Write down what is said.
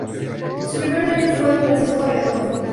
Su primer dueño fue don Francisco Arredondo.